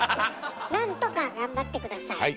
何とか頑張って下さい。